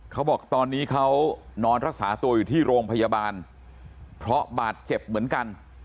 เขาบอกตอนนี้เขานอนรักษาตัวอยู่ที่โรงพยาบาลเพราะบาดเจ็บเหมือนกัน